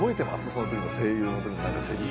その時の声優の時のせりふ